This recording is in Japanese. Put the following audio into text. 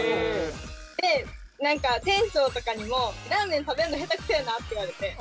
で何か店長とかにも「ラーメン食べるのへたくそやな」って言われて。